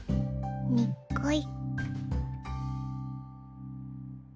にっこぃ。